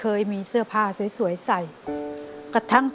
อเรนนี่คือเหตุการณ์เริ่มต้นหลอนช่วงแรกแล้วมีอะไรอีก